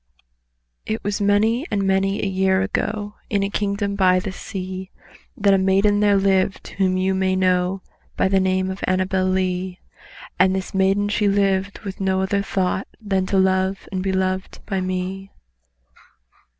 It was many and many a year ago, In a kingdom by the sea, That a maiden lived whom you may know By the name of ANNABEL LEE;— And this maiden she lived with no other thought Than to love and be loved by me.